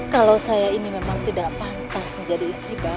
kalau saya ini memang tidak pantas menjadi istri bapak